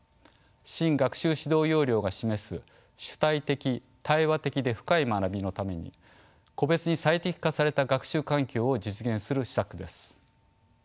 新学習指導要領が示す主体的・対話的で深い学びのために個別に最適化された学習環境を実現する施策です。